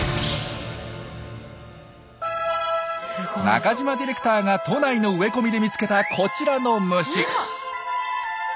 中島ディレクターが都内の植え込みで見つけたこちらの虫。